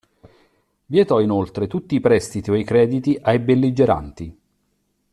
Vietò inoltre tutti i prestiti o i crediti ai belligeranti.